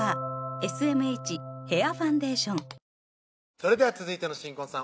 それでは続いての新婚さん